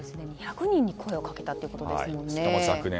１００人に声をかけたということですもんね。